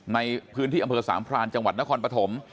ในพื้นที่อำเภอสามพรานจังหวัดนครปฐม